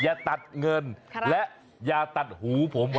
อย่าตัดเงินและอย่าตัดหูผม